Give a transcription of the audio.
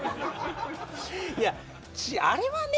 いやあれはね